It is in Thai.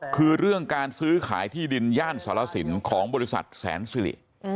คือเรื่องการซื้อขายที่ดินย่านสารสินของบริษัทแสนสิริ